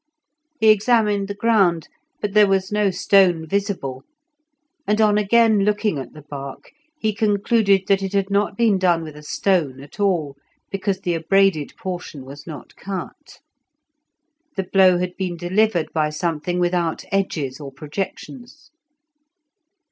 He examined the ground, but there was no stone visible, and on again looking at the bark he concluded that it had not been done with a stone at all, because the abraded portion was not cut. The blow had been delivered by something without edges or projections.